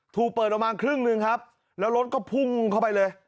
ถูกเปิดออกมาครึ่งหนึ่งครับแล้วรถก็พุ่งเข้าไปเลย